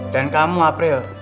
dan kamu april